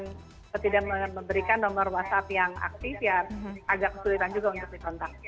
tidak memberikan nomor whatsapp yang aktif ya agak kesulitan juga untuk dikontak